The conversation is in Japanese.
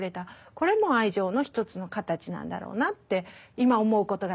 これも愛情の一つの形なんだろうなって今思うことができる。